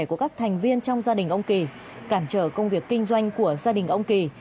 của các thành viên trong gia đình ông kỳ cản trở công việc kinh doanh của gia đình ông kỳ